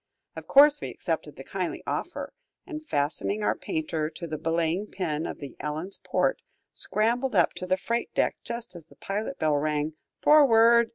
Of course we accepted the kindly offer, and fastening our painter to a belaying pin on the "Ellen's" port, scrambled up to the freight deck just as the pilot bell rang "Forward!"